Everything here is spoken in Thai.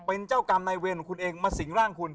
เป็นเจ้ากรรมในเวรของคุณเองมาสิงร่างคุณ